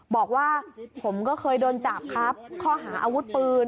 บอกว่าผมก็เคยโดนจับครับข้อหาอาวุธปืน